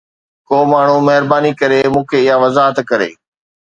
ڪو ماڻهو مهرباني ڪري مون کي اها وضاحت ڪري